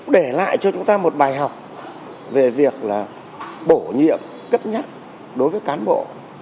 để lại cho chúng ta một bài học về việc bổ nhiệm cấp nhắc đối với cán bộ